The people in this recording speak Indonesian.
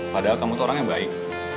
padahal kamu tuh orangnya baik